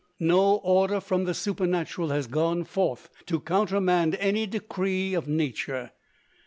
No order from the Supernatural has gone forth to countermand any decree of Nature.